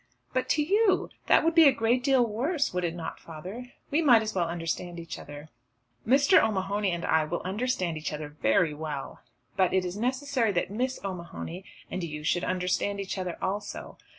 "But to you. That would be a great deal worse, would it not, father? We might as well understand each other." "Mr. O'Mahony and I will understand each other very well." "But it is necessary that Miss O'Mahony and you should understand each other also.